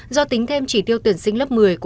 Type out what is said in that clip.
do tính thêm trị tiêu tuyển sinh lớp một mươi